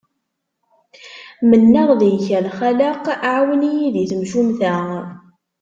Mennaɣ deg-k a lxaleq, ɛawen-iyi di temcumt-a.